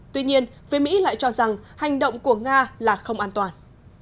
tuy nhiên phía mỹ lại cho rằng hành động của nga là không an toàn